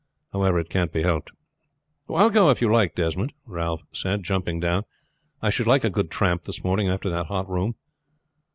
However, it can't be helped." "I will go if you like Desmond," Ralph said, jumping down. "I should like a good tramp this morning after that hot room."